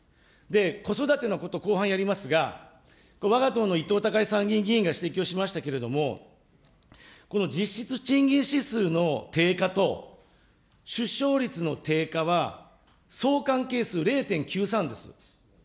子育てのこと、後半やりますが、わが党のいとうたかえ参議院議員が指摘をしましたけれども、この実質賃金指数の低下と出生率の低下は相関係数０．９３です。